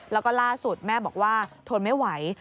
แล้วก็ล่าสุดแม่บอกว่าทนไม่ไหว